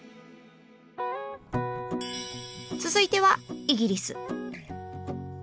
続いてはイギリス。